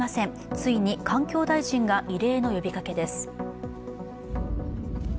ついに環境大臣が異例の呼びかけです。